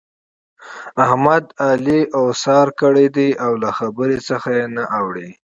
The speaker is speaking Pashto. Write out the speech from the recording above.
احمد؛ علي اوسار کړی دی او له خبرې څخه يې نه اوړي.